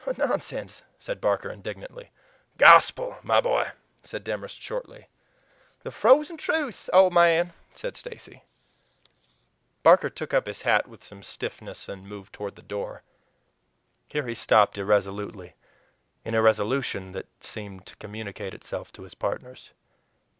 "Nonsense!" said Barker indignantly. "Gospel, my boy!" said Demorest shortly. "The frozen truth, old man!" said Stacy. Barker took up his hat with some stiffness and moved toward the door. Here he stopped irresolutely, an irresolution that seemed to communicate itself to his partners.